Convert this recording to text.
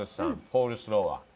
コールスローは。